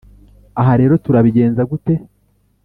aha rero turabigenza gute